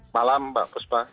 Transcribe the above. malam mbak puspa